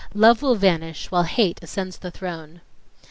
. Love will vanish, while hate ascends the throne